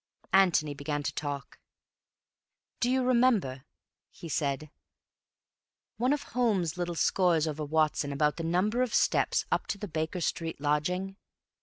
Antony began to talk. "Do you remember," he said, "one of Holmes's little scores over Watson about the number of steps up to the Baker Street lodging?